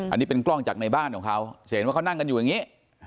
อันนี้เป็นกล้องจากในบ้านของเขาจะเห็นว่าเขานั่งกันอยู่อย่างนี้